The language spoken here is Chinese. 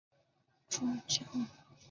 也是原都柏林总教区总主教。